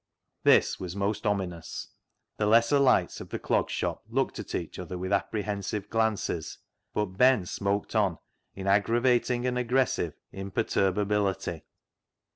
This was most ominous. The lesser lights of the Clog Shop looked at each other with apprehensive glances, but Ben smoked on in aggravating and aggressive imperturbability.